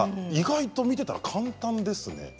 意外と見ていたら簡単ですね。